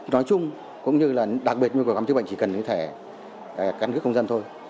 nói chung cũng như là đặc biệt như cái khám chữa bệnh chỉ cần cái thẻ căn cứ công dân thôi